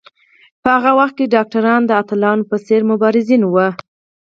په هغه وخت کې ډاکټران د اتلانو په څېر مبارزین وو.